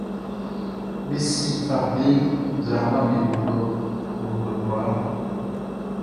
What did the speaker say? Be si able nzraamaʼm be bo lɔ kɔnguɛ kwlaa.